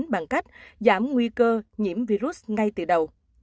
bằng cách giảm nguy cơ nhiễm virus ngay từ đầu